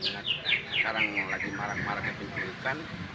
sekarang lagi marang marangnya penculikan